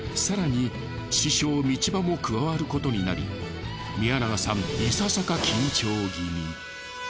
更に師匠道場も加わることになり宮永さんいささか。